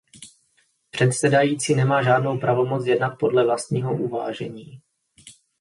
Předsedající nemá žádnou pravomoc jednat podle vlastního uvážení.